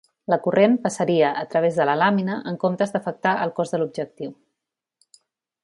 La corrent passaria a través de la làmina en comptes d'afectar el cos de l'objectiu.